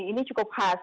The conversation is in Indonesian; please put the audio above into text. ini cukup khas